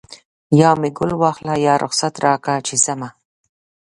یا مې ګل واخله یا رخصت راکړه چې ځمه